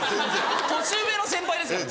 年上の先輩ですから。